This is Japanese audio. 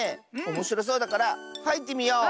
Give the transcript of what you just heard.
おもしろそうだからはいってみよう。